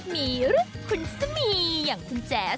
มีรูปคุณสมีอย่างคุณแจ๊ส